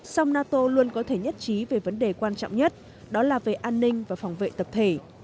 song nato luôn có thể nhất trí về vấn đề quan trọng nhất đó là về an ninh và phòng vệ tập thể